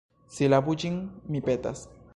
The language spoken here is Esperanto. Silabu ĝin, mi petas.